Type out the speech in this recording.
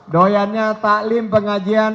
doyannya taklim pengajian